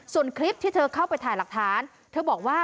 ส่วนคลิปที่เธอเข้าไปถ่ายหลักฐานเธอบอกว่า